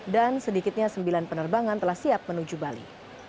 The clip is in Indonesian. dan sedikitnya sembilan penerbangan telah siap menuju bali